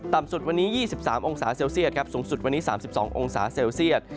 สุดวันนี้๒๓องศาเซลเซียตครับสูงสุดวันนี้๓๒องศาเซลเซียต